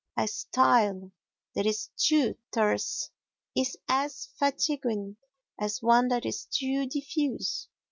A style that is too terse is as fatiguing as one that is too diffuse.